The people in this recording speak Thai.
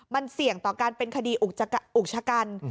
มันเสี่ยงต่อการเป็นคดีอุกชะกัน